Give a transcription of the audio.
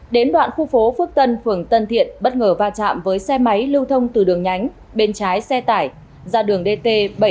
đến đoạn khu phố phước tân phường tân thiện bất ngờ va chạm với xe máy lưu thông từ đường nhánh bên trái xe tải ra đường dt bảy trăm bốn mươi